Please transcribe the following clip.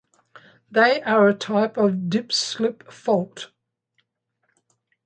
They are a type of dip-slip fault.